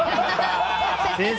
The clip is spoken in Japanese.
先生！